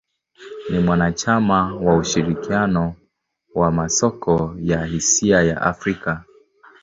Ni mwanachama wa ushirikiano wa masoko ya hisa ya Afrika.